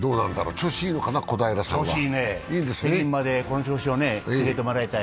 調子いいね、北京までこの調子を続けてもらいたい。